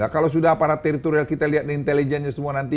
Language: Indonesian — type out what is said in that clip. kalau sudah para teritorial kita lihat intelijennya semua nanti